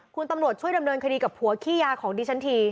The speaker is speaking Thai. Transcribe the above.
คุณตำรวจช่วยดำเนินคดีกับผัวขี้ยาของดิฉันที